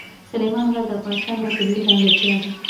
سلیمان غر د افغانستان یوه طبیعي ځانګړتیا ده.